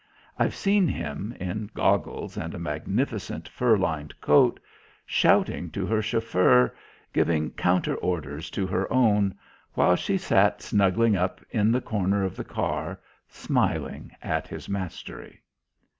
I've seen him, in goggles and a magnificent fur lined coat, shouting to her chauffeur, giving counter orders to her own, while she sat snuggling up in the corner of the car, smiling at his mastery.